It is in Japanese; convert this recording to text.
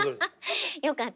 よかった。